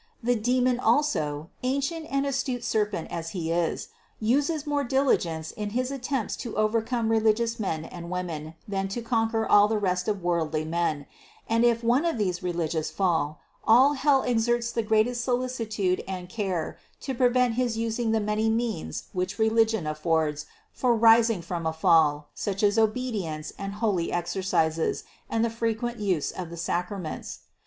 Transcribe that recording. The demon also, ancient and astute serpent as he is, uses more diligence in his at tempts to overcome religious men and women, than to conquer all the rest of worldly men ; and if one of these religious fall, all hell exerts the greatest solicitude and care to prevent his using the many means which religion affords for rising from a fall, such as obedience and holy exercises and the frequent use of the Sacraments.